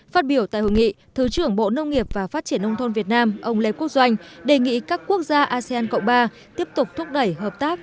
phát biểu tại hội nghị thứ trưởng bộ nông nghiệp và phát triển nông thôn việt nam ông lê quốc doanh đề nghị các quốc gia asean cộng ba tiếp tục thúc đẩy hợp tác